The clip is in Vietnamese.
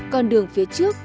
còn đường phía trước